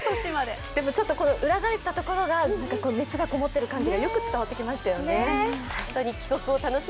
でも裏返ったところが熱がこもっている感じがよく伝わってきましたよね。